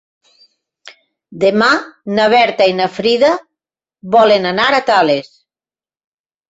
Demà na Berta i na Frida volen anar a Tales.